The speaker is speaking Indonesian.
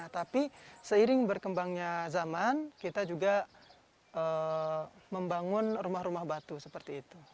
tapi seiring berkembangnya zaman kita juga membangun rumah rumah batu seperti itu